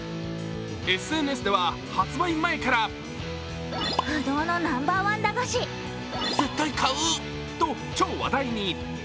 ＳＮＳでは発売前からｑと、超話題に。